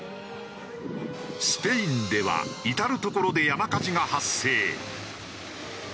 スペインでは至る所で山火事が発生。